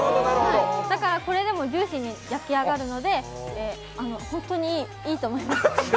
だからこれでもジューシーに焼き上がるので本当にいいと思います。